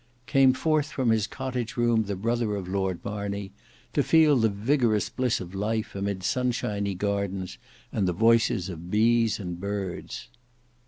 Came forth from his cottage room the brother of Lord Marney, to feel the vigorous bliss of life amid sunshiny gardens and the voices of bees and birds.